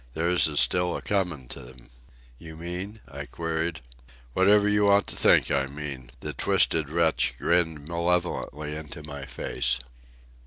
Theirs is still a coming to 'em." "You mean ...?" I queried. "Whatever you want to think I mean," the twisted wretch grinned malevolently into my face.